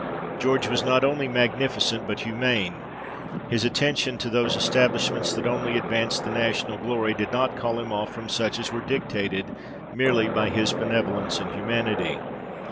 George was not only magnificent but humane ; his attention to those estab lishments that only advanced the national glory, did not call him off from such as were dictated merely by his benevolence and humanity.